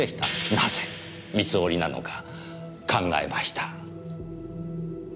なぜ三つ折なのか考えました。